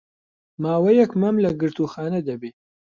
ماوەیەک مەم لە گرتووخانە دەبێ